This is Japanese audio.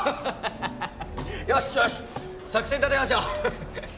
よしよし作戦立てましょう！